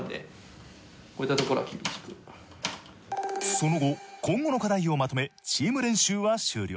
その後今後の課題をまとめチーム練習は終了。